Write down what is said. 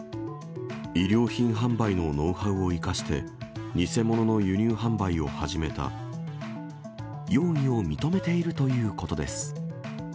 衣料品販売のノウハウを生か容疑を認めているということです。